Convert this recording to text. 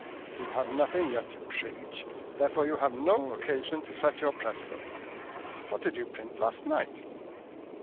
"You have nothing yet to print: therefore you have no occasion to set your press going. What did you print last night?"